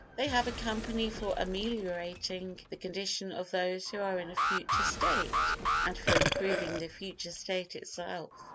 They have a company for ameliorating the condition of those who are in a future state, and for improving the future state itself.